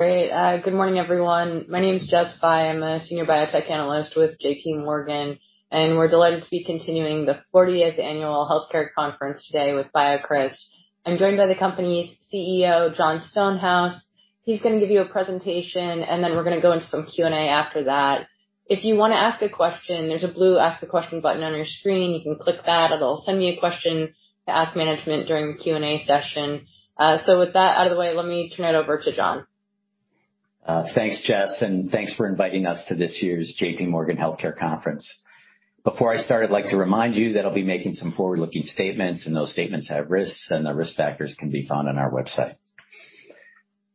Great. Good morning, everyone. My name is Jess Fye. I'm a Senior Biotech Analyst with JPMorgan, and we're delighted to be continuing the 40th Annual Healthcare Conference today with BioCryst. I'm joined by the company's CEO, Jon Stonehouse. He's gonna give you a presentation, and then we're gonna go into some Q&A after that. If you wanna ask a question, there's a blue Ask a Question button on your screen. You can click that. It'll send me a question to ask management during the Q&A session. With that out of the way, let me turn it over to Jon. Thanks, Jess, and thanks for inviting us to this year's JPMorgan Healthcare Conference. Before I start, I'd like to remind you that I'll be making some forward-looking statements, and those statements have risks, and the risk factors can be found on our website.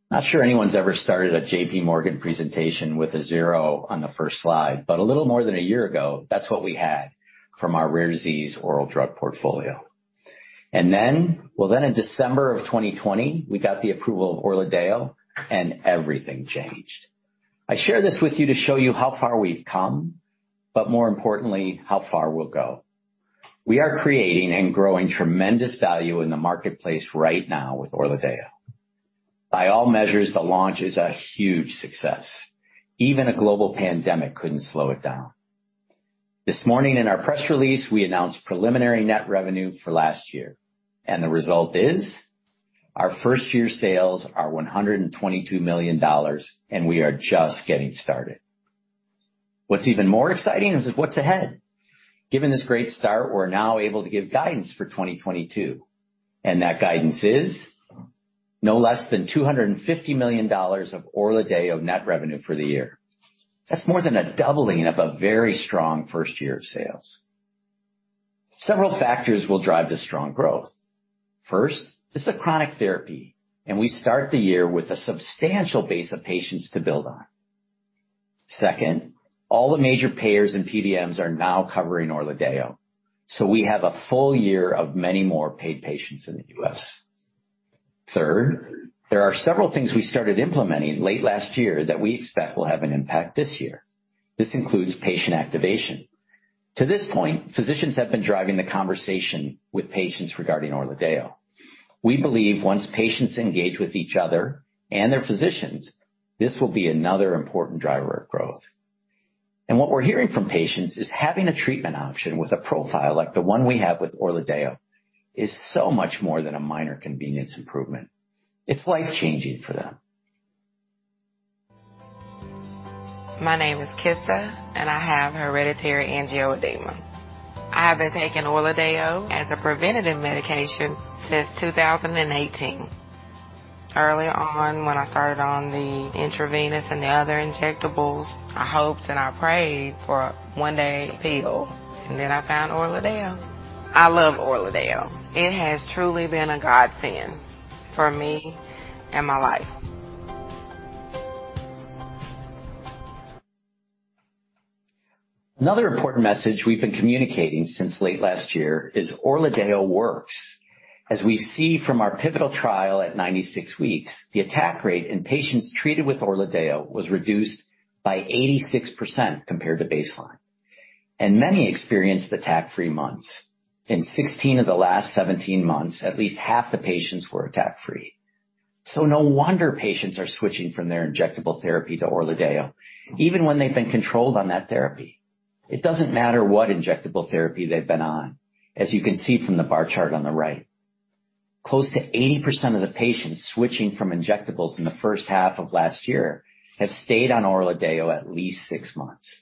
Not sure anyone's ever started a JPMorgan presentation with a zero on the first slide, but a little more than a year ago, that's what we had from our rare disease oral drug portfolio. Well, then in December of 2020, we got the approval of ORLADEYO, and everything changed. I share this with you to show you how far we've come, but more importantly, how far we'll go. We are creating and growing tremendous value in the marketplace right now with ORLADEYO. By all measures, the launch is a huge success. Even a global pandemic couldn't slow it down. This morning in our press release, we announced preliminary net revenue for last year, and the result is our first-year sales are $122 million, and we are just getting started. What's even more exciting is what's ahead. Given this great start, we're now able to give guidance for 2022, and that guidance is no less than $250 million of ORLADEYO net revenue for the year. That's more than a doubling of a very strong first year of sales. Several factors will drive the strong growth. First, it's a chronic therapy, and we start the year with a substantial base of patients to build on. Second, all the major payers and PBMs are now covering ORLADEYO, so we have a full year of many more paid patients in the U.S. Third, there are several things we started implementing late last year that we expect will have an impact this year. This includes patient activation. To this point, physicians have been driving the conversation with patients regarding ORLADEYO. We believe once patients engage with each other and their physicians, this will be another important driver of growth. What we're hearing from patients is having a treatment option with a profile like the one we have with ORLADEYO is so much more than a minor convenience improvement. It's life-changing for them. My name is Kissa, and I have hereditary angioedema. I have been taking ORLADEYO as a preventative medication since 2018. Early on, when I started on the intravenous and the other injectables, I hoped and I prayed for one day a pill, and then I found ORLADEYO. I love ORLADEYO. It has truly been a godsend for me and my life. Another important message we've been communicating since late last year is ORLADEYO works. As we see from our pivotal trial at 96 weeks, the attack rate in patients treated with ORLADEYO was reduced by 86% compared to baseline, and many experienced attack-free months. In 16 of the last 17 months, at least half the patients were attack free. No wonder patients are switching from their injectable therapy to ORLADEYO even when they've been controlled on that therapy. It doesn't matter what injectable therapy they've been on, as you can see from the bar chart on the right. Close to 80% of the patients switching from injectables in the first half of last year have stayed on ORLADEYO at least six months.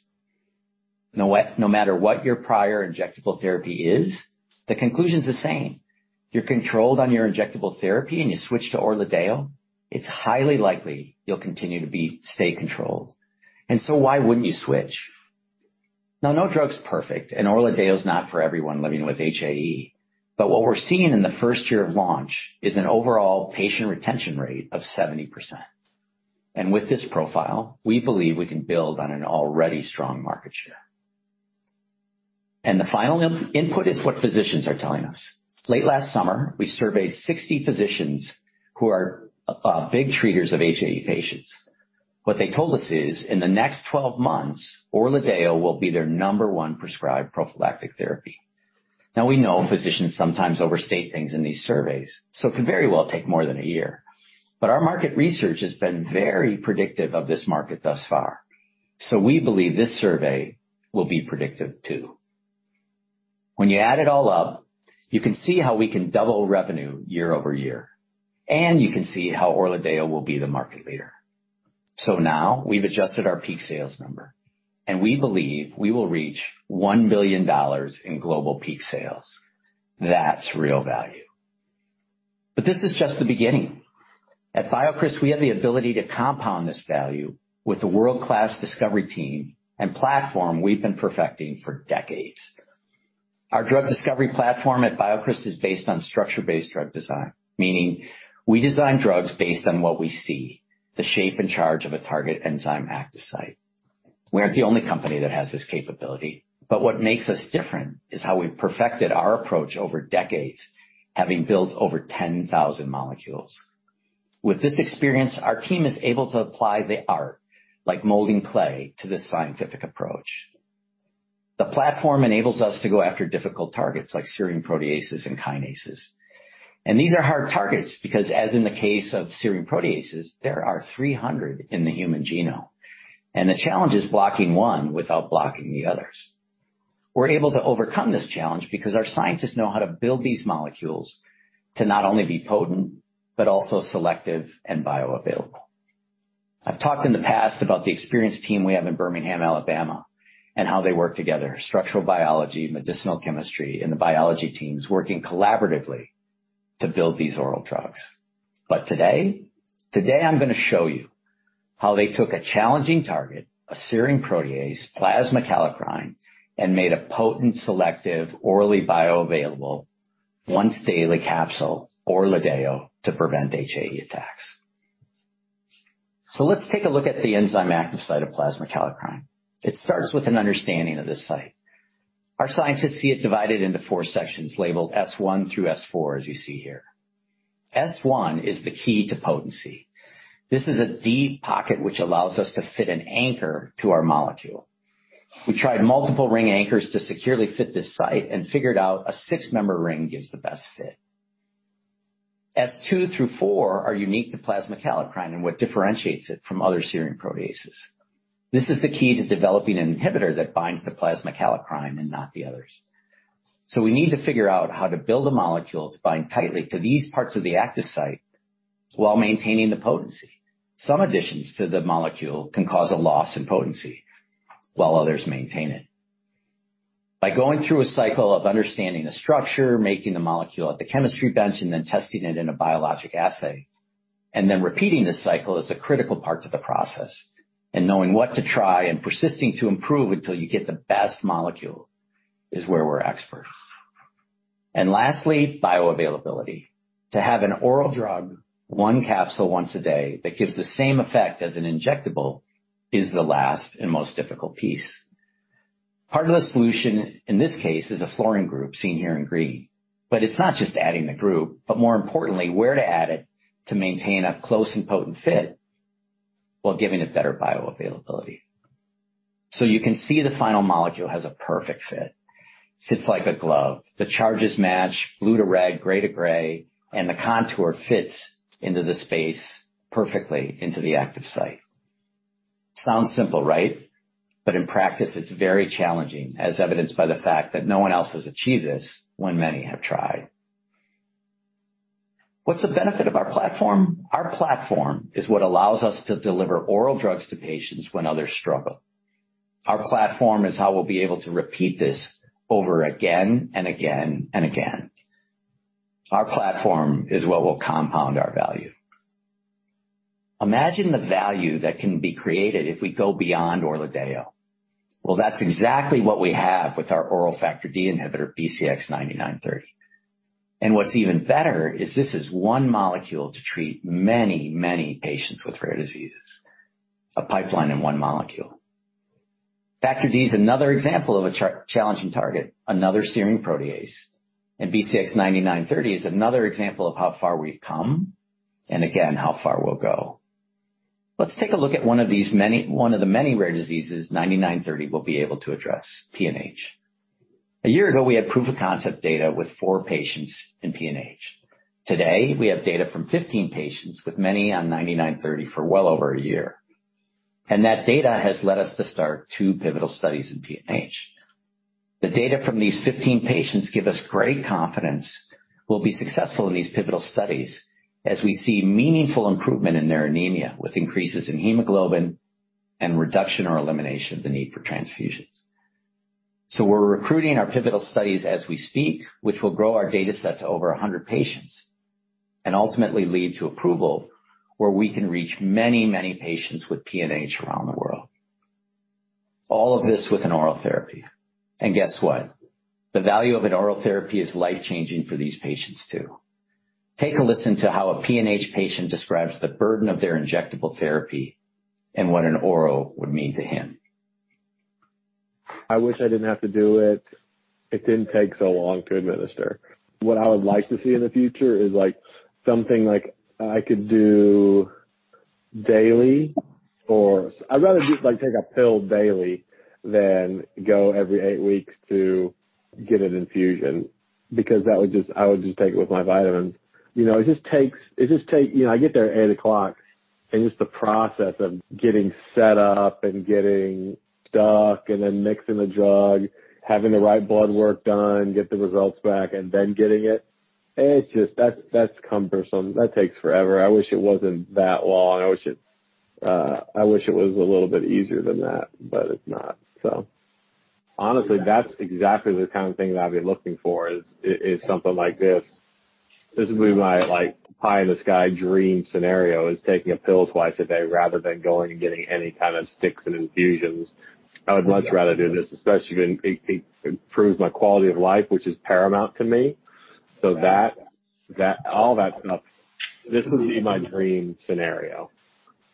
No matter what your prior injectable therapy is, the conclusion is the same. You're controlled on your injectable therapy, and you switch to ORLADEYO, it's highly likely you'll continue to be stay controlled. Why wouldn't you switch? Now, no drug's perfect, and ORLADEYO is not for everyone living with HAE. What we're seeing in the first year of launch is an overall patient retention rate of 70%. With this profile, we believe we can build on an already strong market share. The final input is what physicians are telling us. Late last summer, we surveyed 60 physicians who are big treaters of HAE patients. What they told us is in the next 12 months, ORLADEYO will be their number one prescribed prophylactic therapy. Now, we know physicians sometimes overstate things in these surveys, so it could very well take more than a year. Our market research has been very predictive of this market thus far. We believe this survey will be predictive too. When you add it all up, you can see how we can double revenue year-over-year, and you can see how ORLADEYO will be the market leader. Now we've adjusted our peak sales number, and we believe we will reach $1 billion in global peak sales. That's real value. This is just the beginning. At BioCryst, we have the ability to compound this value with the world-class discovery team and platform we've been perfecting for decades. Our drug discovery platform at BioCryst is based on structure-based drug design, meaning we design drugs based on what we see, the shape and charge of a target enzyme active site. We aren't the only company that has this capability, but what makes us different is how we perfected our approach over decades, having built over 10,000 molecules. With this experience, our team is able to apply the art, like molding clay, to this scientific approach. The platform enables us to go after difficult targets like serine proteases and kinases. These are hard targets because as in the case of serine proteases, there are 300 in the human genome, and the challenge is blocking one without blocking the others. We're able to overcome this challenge because our scientists know how to build these molecules to not only be potent but also selective and bioavailable. I've talked in the past about the experienced team we have in Birmingham, Alabama, and how they work together, structural biology, medicinal chemistry, and the biology teams working collaboratively to build these oral drugs. Today I'm gonna show you how they took a challenging target, a serine protease, plasma kallikrein, and made a potent, selective, orally bioavailable once-daily capsule, ORLADEYO, to prevent HAE attacks. Let's take a look at the enzyme active site of plasma kallikrein. It starts with an understanding of this site. Our scientists see it divided into four sections labeled S1 through S4, as you see here. S1 is the key to potency. This is a deep pocket which allows us to fit an anchor to our molecule. We tried multiple ring anchors to securely fit this site and figured out a six-member ring gives the best fit. S2 through four are unique to plasma kallikrein and what differentiates it from other serine proteases. This is the key to developing an inhibitor that binds the plasma kallikrein and not the others. We need to figure out how to build a molecule to bind tightly to these parts of the active site while maintaining the potency. Some additions to the molecule can cause a loss in potency while others maintain it. By going through a cycle of understanding the structure, making the molecule at the chemistry bench, and then testing it in a biologic assay, and then repeating this cycle is a critical part to the process. Knowing what to try and persisting to improve until you get the best molecule is where we're experts. Lastly, bioavailability. To have an oral drug, one capsule once a day, that gives the same effect as an injectable is the last and most difficult piece. Part of the solution in this case is a fluorine group seen here in green. It's not just adding the group, but more importantly, where to add it to maintain a close and potent fit while giving it better bioavailability. You can see the final molecule has a perfect fit. Fits like a glove. The charges match blue to red, gray to gray, and the contour fits into the space perfectly into the active site. Sounds simple, right? In practice, it's very challenging, as evidenced by the fact that no one else has achieved this when many have tried. What's the benefit of our platform? Our platform is what allows us to deliver oral drugs to patients when others struggle. Our platform is how we'll be able to repeat this over again and again and again. Our platform is what will compound our value. Imagine the value that can be created if we go beyond ORLADEYO. Well, that's exactly what we have with our oral factor D inhibitor, BCX9930. What's even better is this is one molecule to treat many, many patients with rare diseases. A pipeline in one molecule. Factor D is another example of a challenging target, another serine protease, and BCX9930 is another example of how far we've come and again, how far we'll go. Let's take a look at one of the many rare diseases BCX9930 will be able to address, PNH. A year ago, we had proof-of-concept data with four patients in PNH. Today, we have data from 15 patients with many on BCX9930 for well over a year. That data has led us to start two pivotal studies in PNH. The data from these 15 patients give us great confidence we'll be successful in these pivotal studies as we see meaningful improvement in their anemia, with increases in hemoglobin and reduction or elimination of the need for transfusions. We're recruiting our pivotal studies as we speak, which will grow our data set to over 100 patients and ultimately lead to approval where we can reach many, many patients with PNH around the world. All of this with an oral therapy. Guess what? The value of an oral therapy is life-changing for these patients too. Take a listen to how a PNH patient describes the burden of their injectable therapy and what an oral would mean to him. I wish I didn't have to do it. It didn't take so long to administer. What I would like to see in the future is like something like I could do daily or I'd rather just like take a pill daily than go every eight weeks to get an infusion because that would just I would just take it with my vitamins. You know, it just takes, you know, I get there at eight o'clock and just the process of getting set up and getting stuck and then mixing the drug, having the right blood work done, get the results back and then getting it. It's just that's cumbersome. That takes forever. I wish it wasn't that long. I wish it was a little bit easier than that, but it's not. Honestly, that's exactly the kind of thing that I'd be looking for is something like this. This would be my like pie in the sky dream scenario is taking a pill twice a day rather than going and getting any kind of sticks and infusions. I would much rather do this, especially when it improves my quality of life, which is paramount to me. That all that stuff. This would be my dream scenario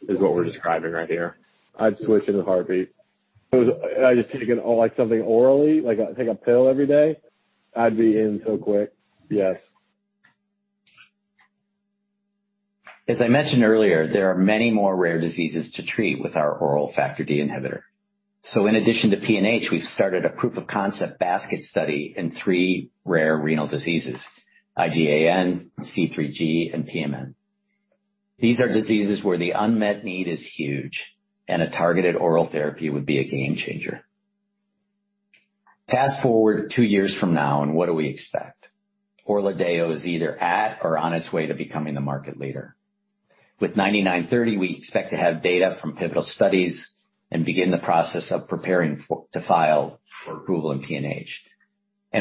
is what we're describing right here. I'd switch in a heartbeat. I just take like something orally, like take a pill every day? I'd be in so quick. Yes. As I mentioned earlier, there are many more rare diseases to treat with our oral factor D inhibitor. In addition to PNH, we've started a proof of concept basket study in three rare renal diseases, IgAN, C3G, and PMN. These are diseases where the unmet need is huge and a targeted oral therapy would be a game changer. Fast-forward two years from now and what do we expect? ORLADEYO is either at or on its way to becoming the market leader. With 9930, we expect to have data from pivotal studies and begin the process of preparing to file for approval in PNH.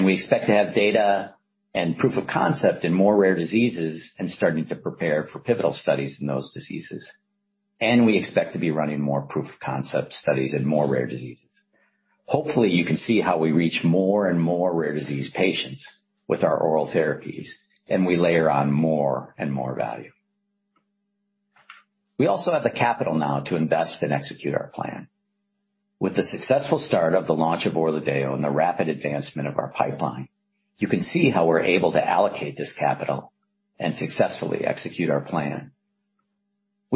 We expect to have data and proof of concept in more rare diseases and starting to prepare for pivotal studies in those diseases. We expect to be running more proof of concept studies in more rare diseases. Hopefully, you can see how we reach more and more rare disease patients with our oral therapies, and we layer on more and more value. We also have the capital now to invest and execute our plan. With the successful start of the launch of ORLADEYO and the rapid advancement of our pipeline, you can see how we're able to allocate this capital and successfully execute our plan.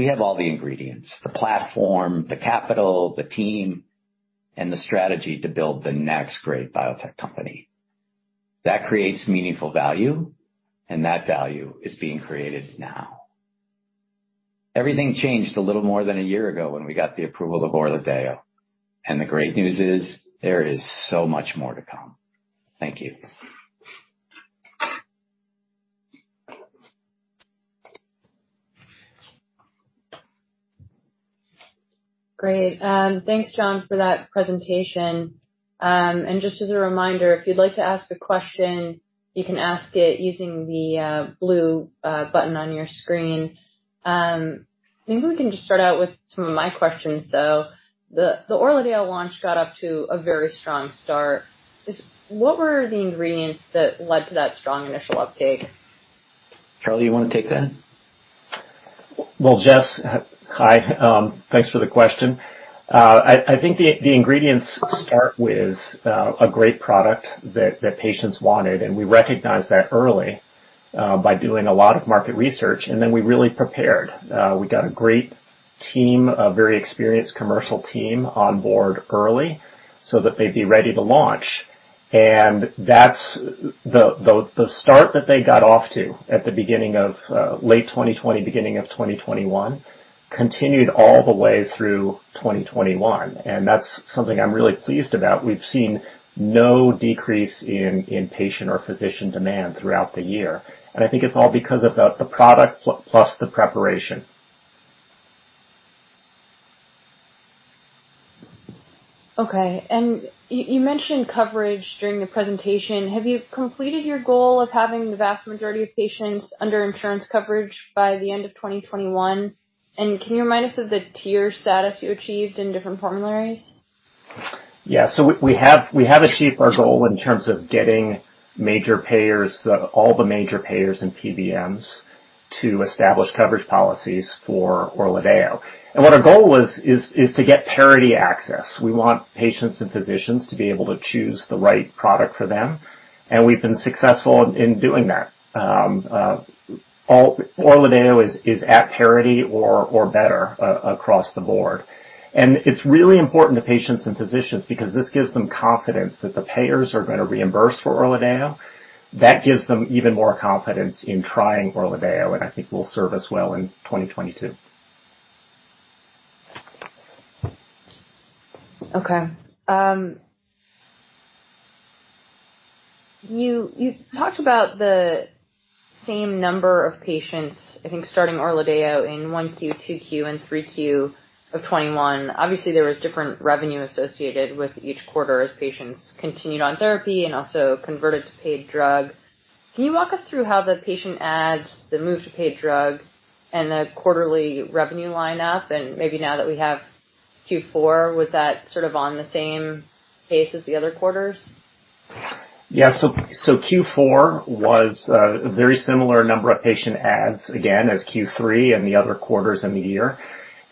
We have all the ingredients, the platform, the capital, the team, and the strategy to build the next great biotech company. That creates meaningful value, and that value is being created now. Everything changed a little more than a year ago when we got the approval of ORLADEYO. The great news is, there is so much more to come. Thank you. Great. Thanks, Jon, for that presentation. Just as a reminder, if you'd like to ask a question, you can ask it using the blue button on your screen. Maybe we can just start out with some of my questions, though. The ORLADEYO launch got off to a very strong start. What were the ingredients that led to that strong initial uptake? Charlie, you wanna take that? Well, Jess, hi. Thanks for the question. I think the ingredients start with a great product that patients wanted, and we recognized that early by doing a lot of market research, and then we really prepared. We got a great team, a very experienced commercial team on board early so that they'd be ready to launch. That's the start that they got off to at the beginning of late 2020, beginning of 2021, continued all the way through 2021. That's something I'm really pleased about. We've seen no decrease in patient or physician demand throughout the year. I think it's all because of the product plus the preparation. Okay. You mentioned coverage during the presentation. Have you completed your goal of having the vast majority of patients under insurance coverage by the end of 2021? Can you remind us of the tier status you achieved in different formularies? Yeah. We have achieved our goal in terms of getting major payers, all the major payers and PBMs to establish coverage policies for ORLADEYO. What our goal was, is to get parity access. We want patients and physicians to be able to choose the right product for them, and we've been successful in doing that. ORLADEYO is at parity or better across the board. It's really important to patients and physicians because this gives them confidence that the payers are gonna reimburse for ORLADEYO. That gives them even more confidence in trying ORLADEYO, and I think will serve us well in 2022. Okay. You talked about the same number of patients, I think, starting ORLADEYO in 1Q, 2Q, and 3Q of 2021. Obviously, there was different revenue associated with each quarter as patients continued on therapy and also converted to paid drug. Can you walk us through how the patient adds the move to paid drug and the quarterly revenue line up? Maybe now that we have Q4, was that sort of on the same pace as the other quarters? Yeah. Q4 was a very similar number of patient adds again as Q3 and the other quarters in the year.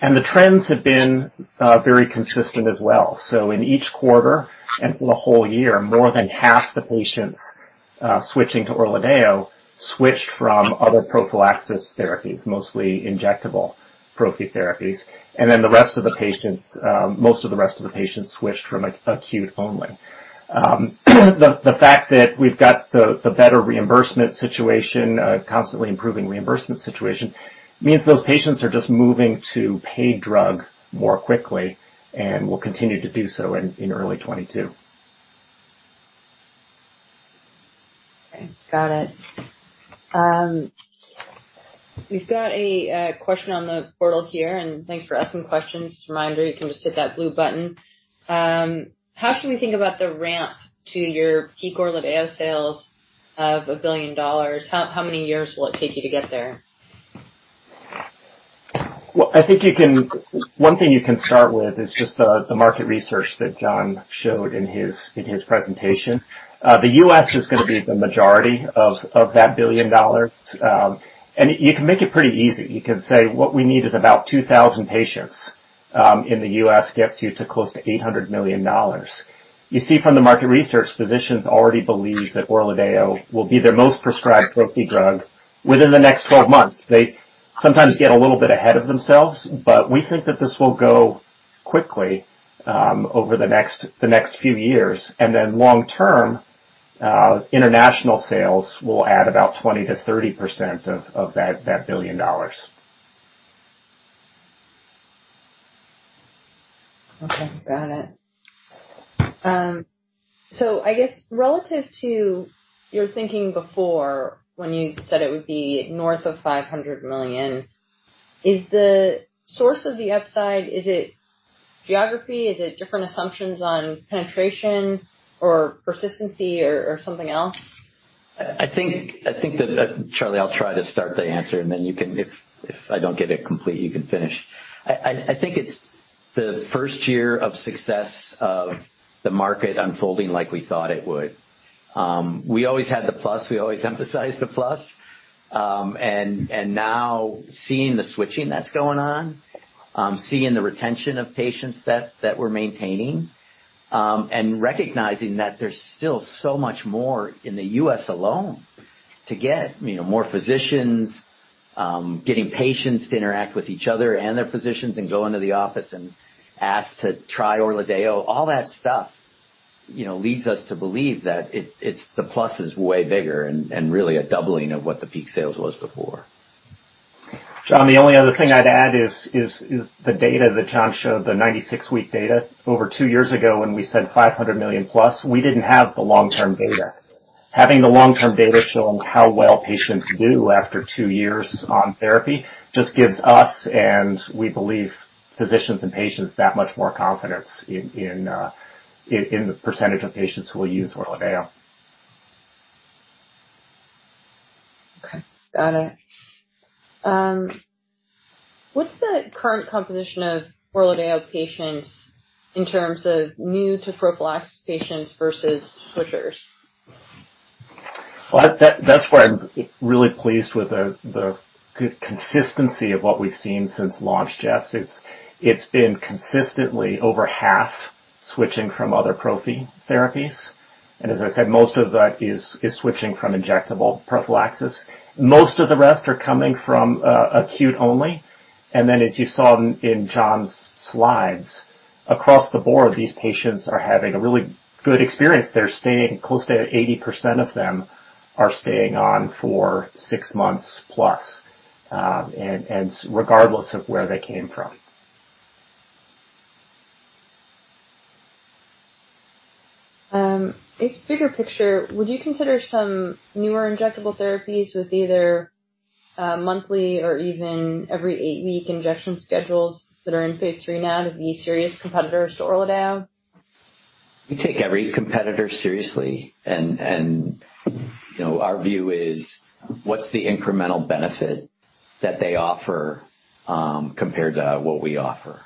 The trends have been very consistent as well. In each quarter and for the whole year, more than half the patients switching to ORLADEYO switched from other prophylaxis therapies, mostly injectable prophy therapies. Then the rest of the patients, most of the rest of the patients switched from acute only. The fact that we've got the better reimbursement situation, constantly improving reimbursement situation, means those patients are just moving to paid drug more quickly and will continue to do so in early 2022. Okay. Got it. We've got a question on the portal here, and thanks for asking questions. Reminder, you can just hit that blue button. How should we think about the ramp to your peak ORLADEYO sales of $1 billion? How many years will it take you to get there? One thing you can start with is just the market research that Jon showed in his presentation. The U.S. is gonna be the majority of that $1 billion. You can make it pretty easy. You can say what we need is about 2,000 patients in the U.S. gets you to close to $800 million. You see from the market research, physicians already believe that ORLADEYO will be their most prescribed prophy drug within the next 12 months. They sometimes get a little bit ahead of themselves, but we think that this will go quickly over the next few years, and then long-term, international sales will add about 20%-30% of that $1 billion. Okay, got it. I guess relative to your thinking before when you said it would be north of $500 million, is the source of the upside, is it geography? Is it different assumptions on penetration or persistency or something else? I think that, Charlie, I'll try to start the answer, and then you can. If I don't get it complete, you can finish. I think it's the first year of success of the market unfolding like we thought it would. We always had the plus. We always emphasized the plus. Now seeing the switching that's going on, seeing the retention of patients that we're maintaining, and recognizing that there's still so much more in the U.S. alone to get. You know, more physicians getting patients to interact with each other and their physicians and go into the office and ask to try ORLADEYO. All that stuff, you know, leads us to believe that it's the plus is way bigger and really a doubling of what the peak sales was before. Jon, the only other thing I'd add is the data that Jon showed, the 96-week data. Over two years ago when we said $500 million+, we didn't have the long-term data. Having the long-term data showing how well patients do after two years on therapy just gives us, and we believe physicians and patients, that much more confidence in the percentage of patients who will use ORLADEYO. Okay, got it. What's the current composition of ORLADEYO patients in terms of new to prophylaxis patients versus switchers? Well, that's why I'm really pleased with the consistency of what we've seen since launch, Jess. It's been consistently over half switching from other prophy therapies. As I said, most of that is switching from injectable prophylaxis. Most of the rest are coming from acute only. Then, as you saw in Jon's slides, across the board, these patients are having a really good experience. They're staying close to 80% of them are staying on for six months plus, and regardless of where they came from. It's bigger picture. Would you consider some newer injectable therapies with either monthly or even every eight-week injection schedules that are in phase III now to be serious competitors to ORLADEYO? We take every competitor seriously and, you know, our view is what's the incremental benefit that they offer compared to what we offer.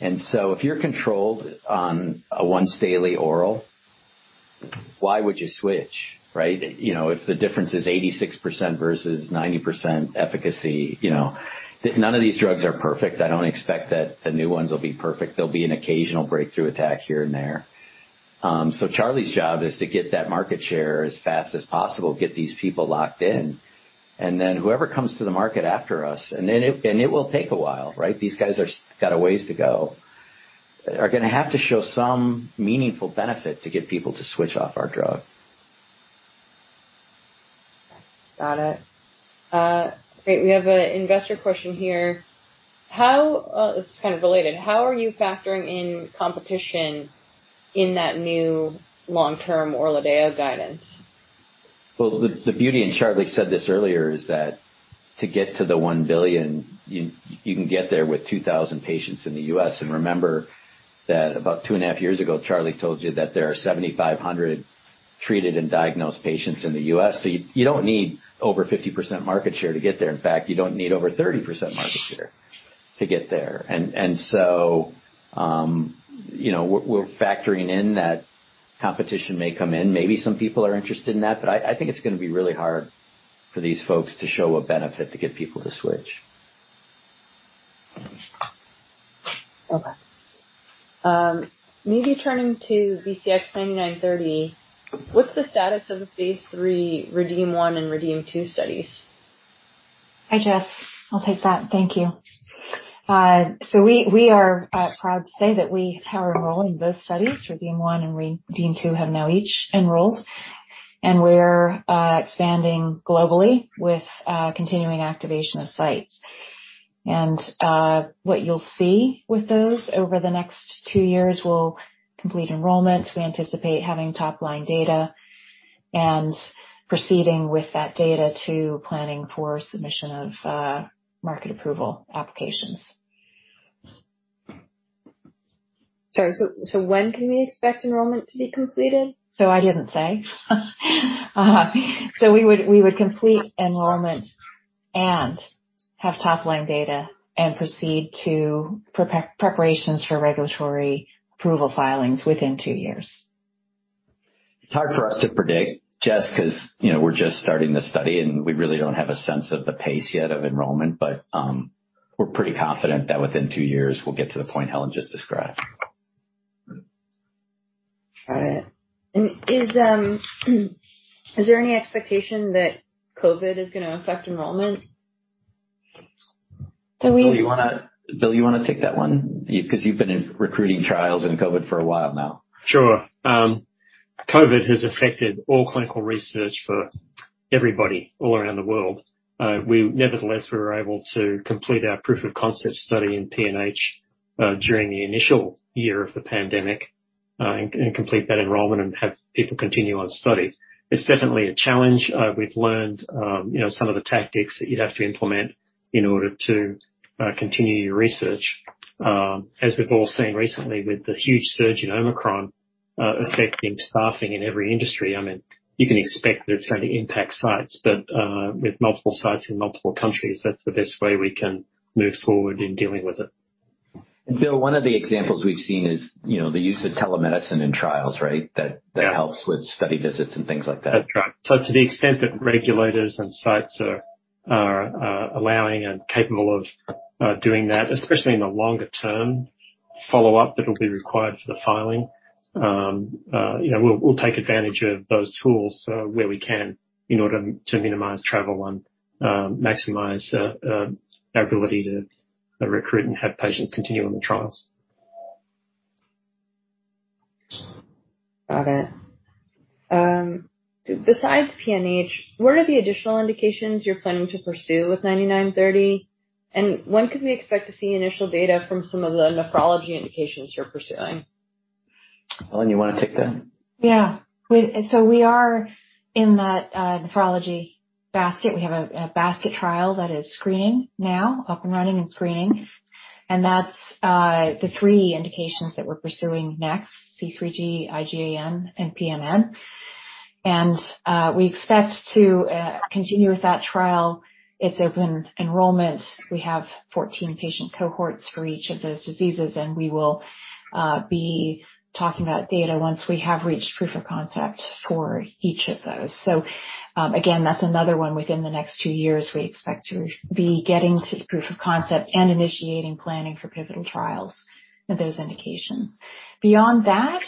If you're controlled on a once daily oral, why would you switch, right? You know, if the difference is 86% versus 90% efficacy, you know. None of these drugs are perfect. I don't expect that the new ones will be perfect. There'll be an occasional breakthrough attack here and there. Charlie's job is to get that market share as fast as possible, get these people locked in. Then whoever comes to the market after us, and it will take a while, right? These guys got a ways to go. They're gonna have to show some meaningful benefit to get people to switch off our drug. Got it. Great. We have a investor question here. How this is kind of related. How are you factoring in competition in that new long-term ORLADEYO guidance? Well, the beauty and Charlie said this earlier is that to get to the $1 billion, you can get there with 2,000 patients in the U.S. Remember that about two and a half years ago, Charlie told you that there are 7,500 treated and diagnosed patients in the U.S. You don't need over 50% market share to get there. In fact, you don't need over 30% market share to get there. You know, we're factoring in that competition may come in. Maybe some people are interested in that, but I think it's gonna be really hard for these folks to show a benefit to get people to switch. Okay. Maybe turning to BCX9930. What's the status of the phase III REDEEM-1 and REDEEM-2 studies? Hi, Jess. I'll take that. Thank you. We are proud to say that we have enrolled in both studies. REDEEM-1 and REDEEM-2 have now each enrolled, and we're expanding globally with continuing activation of sites. What you'll see with those over the next two years, we'll complete enrollment. We anticipate having top-line data and proceeding with that data to planning for submission of market approval applications. Sorry. When can we expect enrollment to be completed? I didn't say. We would complete enrollment and have top-line data and proceed to preparations for regulatory approval filings within two years. It's hard for us to predict just 'cause, you know, we're just starting the study, and we really don't have a sense of the pace yet of enrollment. We're pretty confident that within two years we'll get to the point Helen just described. Got it. Is there any expectation that COVID is gonna affect enrollment? Bill, you wanna take that one? Because you've been in recruiting trials in COVID for a while now. Sure. COVID has affected all clinical research for everybody all around the world. Nevertheless, we were able to complete our proof of concept study in PNH during the initial year of the pandemic, and complete that enrollment and have people continue on the study. It's definitely a challenge. We've learned you know some of the tactics that you'd have to implement in order to continue your research. As we've all seen recently with the huge surge in Omicron affecting staffing in every industry, I mean you can expect that it's going to impact sites. With multiple sites in multiple countries, that's the best way we can move forward in dealing with it. Bill, one of the examples we've seen is, you know, the use of telemedicine in trials, right? Yeah. that helps with study visits and things like that. That's right. To the extent that regulators and sites are allowing and capable of doing that, especially in the longer term follow up that will be required for the filing, you know, we'll take advantage of those tools, where we can in order to minimize travel and maximize our ability to recruit and have patients continue on the trials. Got it. Besides PNH, what are the additional indications you're planning to pursue with BCX9930? When could we expect to see initial data from some of the nephrology indications you're pursuing? Helen, you wanna take that? We are in that nephrology basket. We have a basket trial that is screening now, up and running. That's the three indications that we're pursuing next: C3G, IgAN, and PMN. We expect to continue with that trial. It's open enrollment. We have 14 patient cohorts for each of those diseases, and we will be talking about data once we have reached proof of concept for each of those. Again, that's another one within the next two years we expect to be getting to proof of concept and initiating planning for pivotal trials of those indications. Beyond that,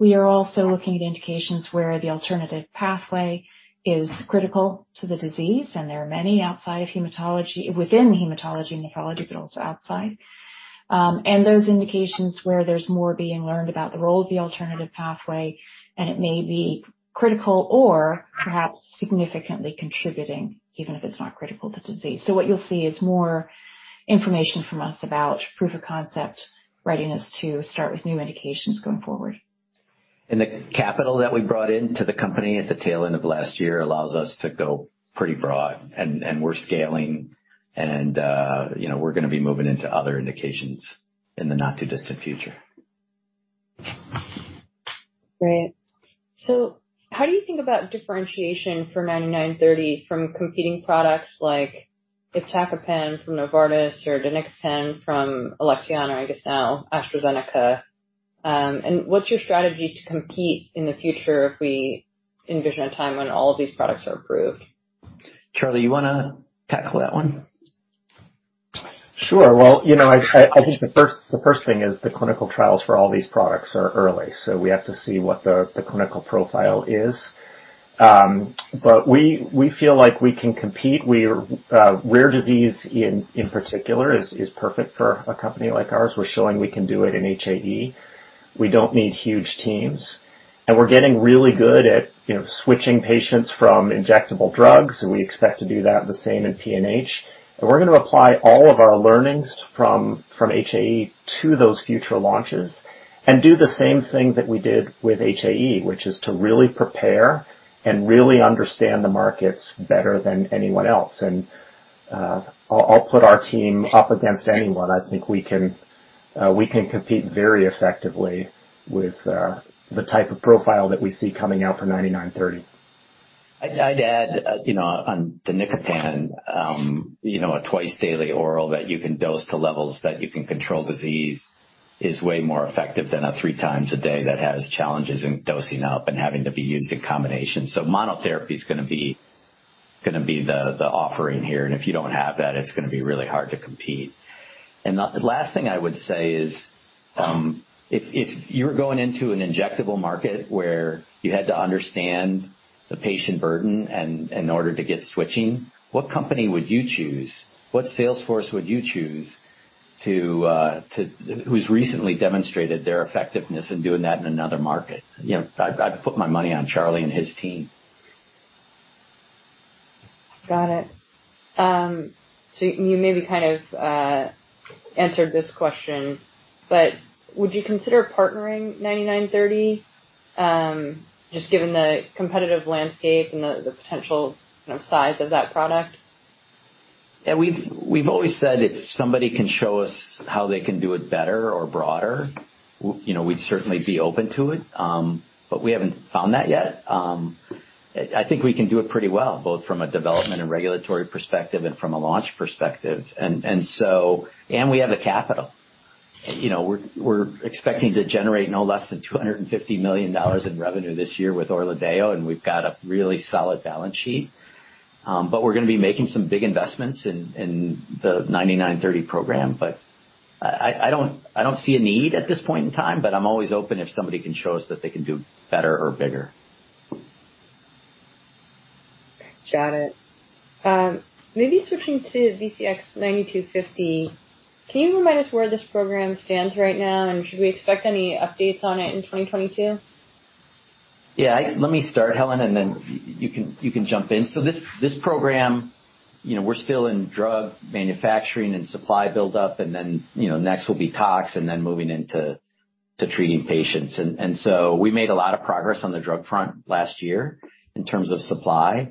we are also looking at indications where the alternative pathway is critical to the disease, and there are many outside of hematology, within hematology and nephrology, but also outside. Those indications where there's more being learned about the role of the alternative pathway, and it may be critical or perhaps significantly contributing, even if it's not critical to disease. What you'll see is more information from us about proof of concept, readiness to start with new medications going forward. The capital that we brought into the company at the tail end of last year allows us to go pretty broad and we're scaling and, you know, we're gonna be moving into other indications in the not too distant future. Great. How do you think about differentiation for BCX9930 from competing products like iptacopan from Novartis or danicopan from Alexion, or I guess now AstraZeneca. What's your strategy to compete in the future if we envision a time when all of these products are approved? Charlie, you wanna tackle that one? Sure. Well, you know, I think the first thing is the clinical trials for all these products are early, so we have to see what the clinical profile is. We feel like we can compete. Rare disease in particular is perfect for a company like ours. We're showing we can do it in HAE. We don't need huge teams, and we're getting really good at, you know, switching patients from injectable drugs. We expect to do the same in PNH. We're gonna apply all of our learnings from HAE to those future launches and do the same thing that we did with HAE, which is to really prepare and really understand the markets better than anyone else. I'll put our team up against anyone. I think we can compete very effectively with the type of profile that we see coming out for BCX9930. I'd add, you know, on the danicopan, you know, a twice daily oral that you can dose to levels that you can control disease is way more effective than a three times a day that has challenges in dosing up and having to be used in combination. So monotherapy is gonna be the offering here, and if you don't have that, it's gonna be really hard to compete. The last thing I would say is, if you were going into an injectable market where you had to understand the patient burden and in order to get switching, what company would you choose? What sales force would you choose to—who's recently demonstrated their effectiveness in doing that in another market? You know, I'd put my money on Charlie and his team. Got it. You maybe kind of answered this question, but would you consider partnering BCX9930 just given the competitive landscape and the potential, you know, size of that product? Yeah. We've always said if somebody can show us how they can do it better or broader, we'd certainly be open to it. We haven't found that yet. I think we can do it pretty well, both from a development and regulatory perspective and from a launch perspective. We have the capital. You're welcome. You know, we're expecting to generate no less than $250 million in revenue this year with ORLADEYO, and we've got a really solid balance sheet. We're gonna be making some big investments in the 9930 program. I don't see a need at this point in time, but I'm always open if somebody can show us that they can do better or bigger. Got it. Maybe switching to BCX9250, can you remind us where this program stands right now, and should we expect any updates on it in 2022? Yeah. Let me start, Helen, and then you can jump in. This program, you know, we're still in drug manufacturing and supply build-up, and then, you know, next will be tox and then moving into treating patients. We made a lot of progress on the drug front last year in terms of supply.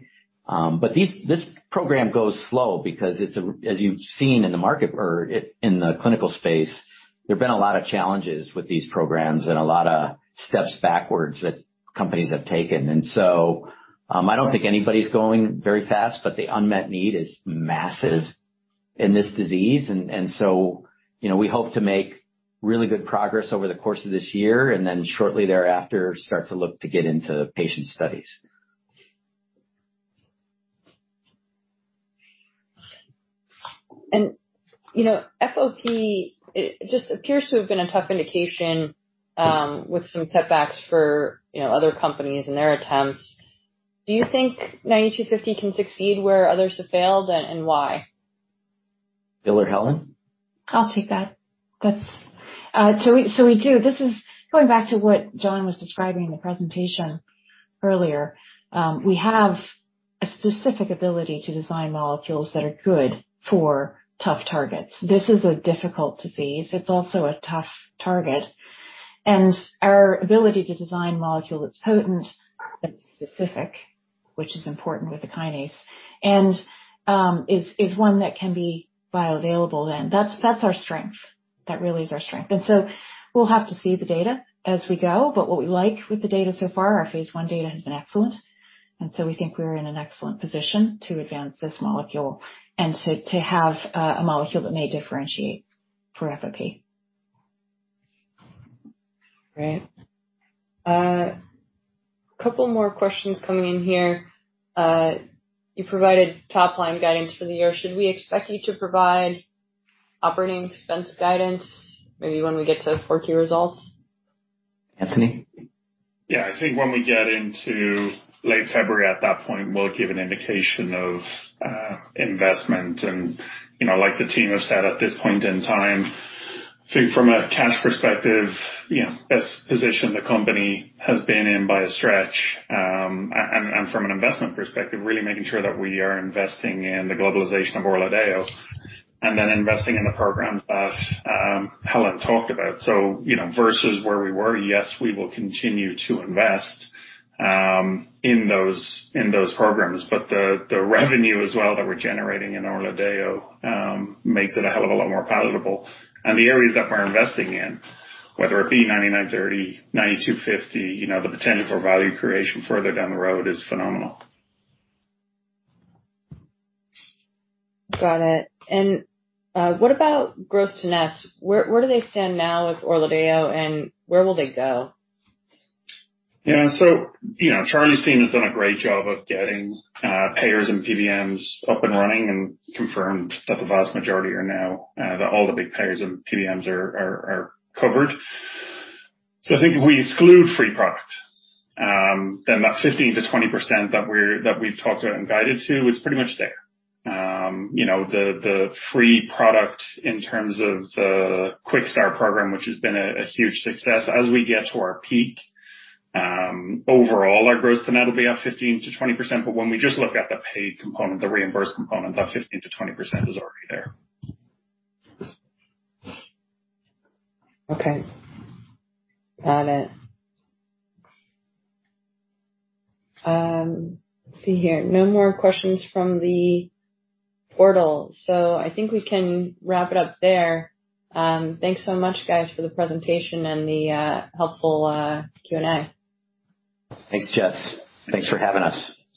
But this program goes slow. As you've seen in the market or in the clinical space, there've been a lot of challenges with these programs and a lot of steps backwards that companies have taken. I don't think anybody's going very fast, but the unmet need is massive in this disease. You know, we hope to make really good progress over the course of this year, and then shortly thereafter, start to look to get into patient studies. You know, FOP, it just appears to have been a tough indication with some setbacks for, you know, other companies in their attempts. Do you think BCX9250 can succeed where others have failed and why? Bill or Helen? I'll take that. That's. So we do. This is going back to what Jon was describing in the presentation earlier. We have a specific ability to design molecules that are good for tough targets. This is a difficult disease. It's also a tough target. Our ability to design a molecule that's potent but specific, which is important with a kinase, and is one that can be bioavailable, and that's our strength. That really is our strength. We'll have to see the data as we go, but what we like with the data so far, our phase I data has been excellent. We think we're in an excellent position to advance this molecule and to have a molecule that may differentiate for FOP. Great. Couple more questions coming in here. You provided top line guidance for the year. Should we expect you to provide operating expense guidance, maybe when we get to Q4 results? Anthony? Yeah. I think when we get into late February, at that point, we'll give an indication of investment and, you know, like the team have said at this point in time, I think from a cash perspective, you know, best position the company has been in by a stretch, and from an investment perspective, really making sure that we are investing in the globalization of ORLADEYO and then investing in the programs that Helen talked about. You know, versus where we were, yes, we will continue to invest in those programs. But the revenue as well that we're generating in ORLADEYO makes it a hell of a lot more palatable. The areas that we're investing in, whether it be BCX9930, BCX9250, you know, the potential for value creation further down the road is phenomenal. Got it. What about gross to nets? Where do they stand now with ORLADEYO, and where will they go? Yeah. You know, Charlie's team has done a great job of getting payers and PBMs up and running and confirmed that the vast majority are now that all the big payers and PBMs are covered. I think if we exclude free product, then that 15%-20% that we've talked about and guided to is pretty much there. You know, the free product in terms of the Quick Start program, which has been a huge success as we get to our peak, overall our gross-to-net will be up 15%-20%, but when we just look at the paid component, the reimbursed component, that 15%-20% is already there. Okay. Got it. Let's see here. No more questions from the portal, so I think we can wrap it up there. Thanks so much, guys, for the presentation and the helpful Q&A. Thanks, Jess. Thanks for having us.